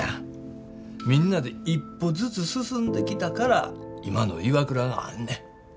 みんなで一歩ずつ進んできたから今のＩＷＡＫＵＲＡがあんねん。